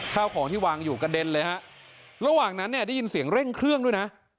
ข้าวของที่วางอยู่กระเด็นเลยฮะระหว่างนั้นเนี่ยได้ยินเสียงเร่งเครื่องด้วยนะ